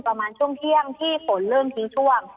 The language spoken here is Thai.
ประมาณช่วงเที่ยงที่ฝนเริ่มทิ้งช่วง